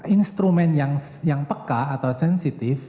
instrument yang peka atau sensitive